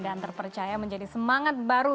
dan terpercaya menjadi semangat baru